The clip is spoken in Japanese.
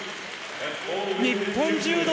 日本柔道